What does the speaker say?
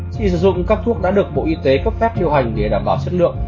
chỉ sử dụng các thuốc đã được bộ y tế cấp phép điều hành để đảm bảo chất lượng